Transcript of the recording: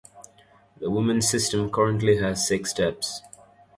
The women's system currently has six steps.